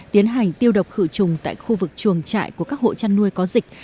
tiến hành tiêu độc khử trùng tại khu vực chuồng trại của các hộ chăn nuôi có dịch